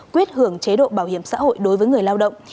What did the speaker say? quyết hưởng chế độ bảo hiểm xã hội đối với người lao động